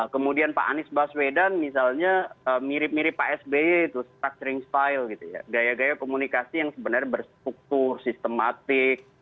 kemudian pak anies baswedan misalnya mirip mirip pak sby itu structuring style gitu ya gaya gaya komunikasi yang sebenarnya berstruktur sistematik